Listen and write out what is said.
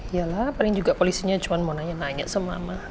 yalah paling juga polisinya cuma mau nanya nanya sama sama